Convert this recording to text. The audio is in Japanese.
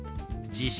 「地震」。